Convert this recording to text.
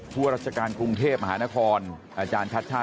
ไปพบผู้ราชการกรุงเทพมหานครอาจารย์ชาติชาติฝิทธิพันธ์นะครับ